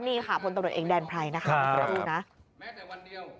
นี่ค่ะพลตบรวจเอกแดนไพรนะครับ